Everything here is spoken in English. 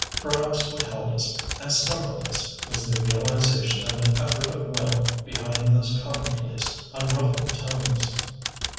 Perhaps what held us and startled us was the realization of an effort of will behind those commonplace, unruffled tones.